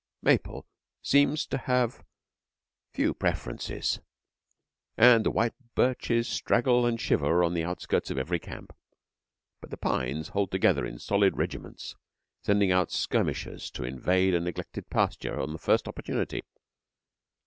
Maple seems to have few preferences, and the white birches straggle and shiver on the outskirts of every camp; but the pines hold together in solid regiments, sending out skirmishers to invade a neglected pasture on the first opportunity.